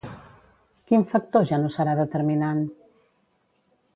Quin factor ja no serà determinant?